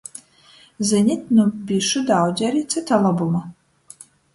Zinit, nu bišu daudzi ari cyta lobuma.